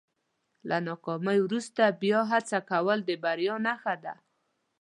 له ناکامۍ وروسته بیا هڅه کول د بریا نښه ده.